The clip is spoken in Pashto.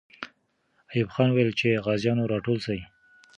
ایوب خان وویل چې غازیان راټول سي.